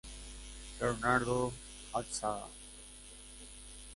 Bernardo Atxaga.